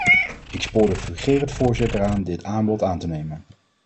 Ik spoor de fungerend voorzitter aan dit aanbod aan te nemen.